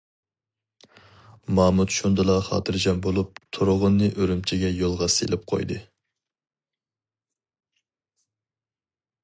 مامۇت شۇندىلا خاتىرجەم بولۇپ، تۇرغۇننى ئۈرۈمچىگە يولغا سېلىپ قويدى.